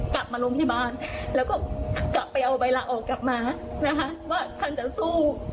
กลับมาโรงพยาบาลแล้วก็กลับไปเอาใบลาออกกลับมานะคะว่าท่านจะสู้